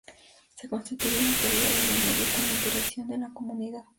Se constituye en la actualidad el medio con más interacción con la comunidad.